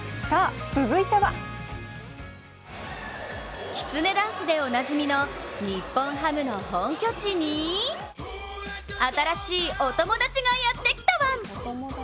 続いてはきつねダンスでおなじみの日本ハムの本拠地に新しいお友達がやってきたワン！